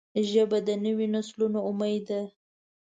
ژبه د نوي نسلونو امید ده